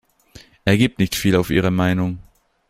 Er gibt nicht viel auf ihre Meinung.